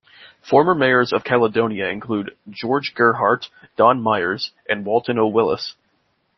Former mayors of Caledonia include George Gerhart, Don Myers, and Walton O. Willis.